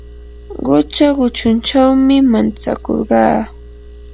qucha kuchunchawmi mantsakurqaa.